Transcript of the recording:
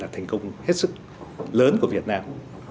thành công hết sức lớn của việt nam